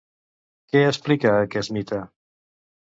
Què explica aquest mite?